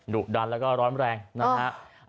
ดุดันแล้วก็ร้อนแรงนะฮะ